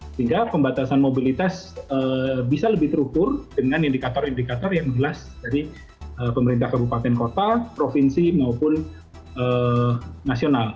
sehingga pembatasan mobilitas bisa lebih terukur dengan indikator indikator yang jelas dari pemerintah kabupaten kota provinsi maupun nasional